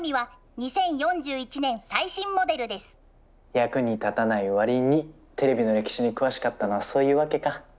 役に立たないわりにテレビの歴史に詳しかったのはそういうわけか。